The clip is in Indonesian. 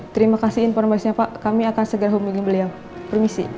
terima kasih informasinya pak kami akan segera hubungi beliau permisi